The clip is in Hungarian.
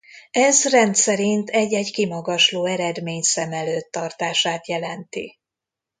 Ez rendszerint egy-egy kimagasló eredmény szem előtt tartását jelenti.